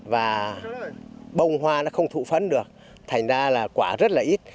và bông hoa nó không thụ phấn được thành ra là quả rất là ít